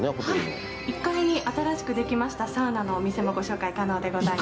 はい、１階に新しくできましたサウナのお店もご紹介可能です。